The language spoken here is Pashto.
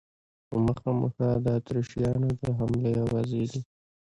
په مخه مو ښه، د اتریشیانو د حملې آوازې دي.